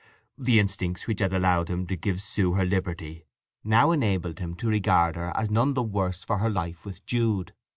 The instincts which had allowed him to give Sue her liberty now enabled him to regard her as none the worse for her life with Jude.